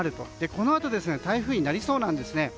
このあと台風になりそうなんです。